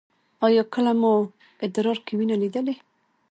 ایا کله مو ادرار کې وینه لیدلې؟